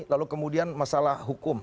lalu kemudian masalah hukum